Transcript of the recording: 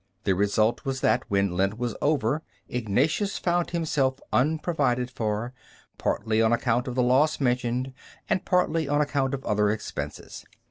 The result was that when Lent was over Ignatius found himself unprovided for, partly on account of the loss mentioned, and partly on account of other expenses.